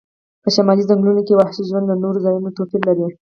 په شمالي ځنګلونو کې وحشي ژوند له نورو ځایونو توپیر لري